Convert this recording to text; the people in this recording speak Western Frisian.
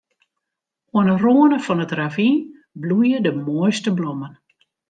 Oan 'e râne fan it ravyn bloeie de moaiste blommen.